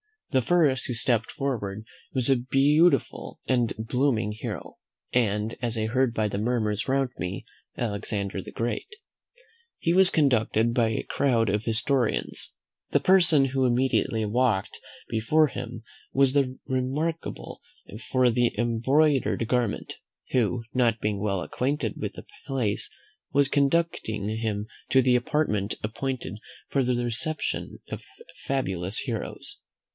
The first who stepped forward was a beautiful and blooming hero, and, as I heard by the murmurs round me, Alexander the Great. He was conducted by a crowd of historians. The person who immediately walked before him was remarkable for an embroidered garment, who, not being well acquainted with the place, was conducting him to an apartment appointed for the reception of fabulous heroes.